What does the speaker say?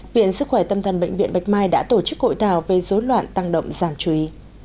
viện sức khỏe tâm thần bệnh viện bạch mai đã tổ chức hội thảo về dối loạn tăng động giảm chú ý